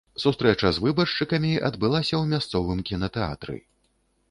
Сустрэча з выбаршчыкамі адбылася ў мясцовым кінатэатры.